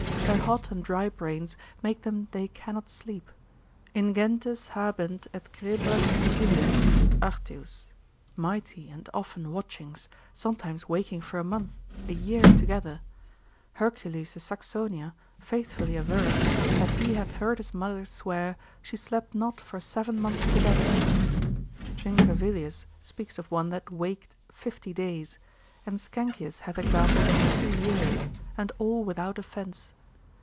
Their hot and dry brains make them they cannot sleep, Ingentes habent et crebras vigilias (Arteus) mighty and often watchings, sometimes waking for a month, a year together. Hercules de Saxonia faithfully averreth, that he hath heard his mother swear, she slept not for seven months together: Trincavelius, Tom. 2. cons. 16. speaks of one that waked 50 days, and Skenkius hath examples of two years, and all without offence.